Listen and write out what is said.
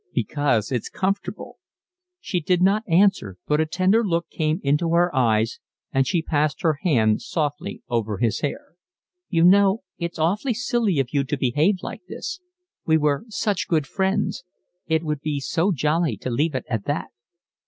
"Because it's comfortable." She did not answer, but a tender look came into her eyes, and she passed her hand softly over his hair. "You know, it's awfully silly of you to behave like this. We were such good friends. It would be so jolly to leave it at that."